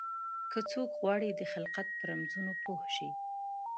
که څوک غواړي د خلقت په رمزونو پوه شي.